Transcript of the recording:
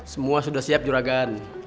semua sudah siap juragan